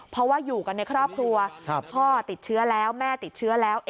เพราะว่าอยู่กันในครอบครัวพ่อติดเชื้อแล้วแม่ติดเชื้อแล้ว